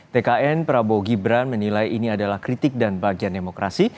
tkn prabowo gibran menilai ini adalah kritik dan bagian demokrasi